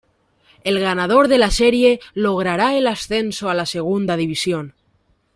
El ganador de la serie logrará el ascenso a la Segunda División.